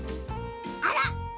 あら！